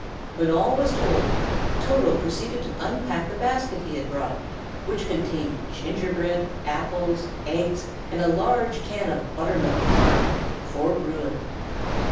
When all was told, Toto proceeded to unpack the basket he had brought, which contained gingerbread, eggs, apples, and a large can of butter milk marked "For Bruin."